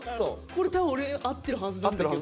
これ多分俺合ってるはずなんだけど。